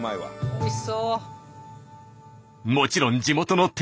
おいしそう。